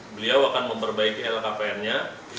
beliau akan memperbaiki lhkpn nya